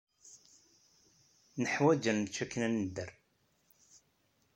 Neḥwaj ad nečč akken ad nedder.